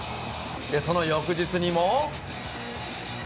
その翌日にも。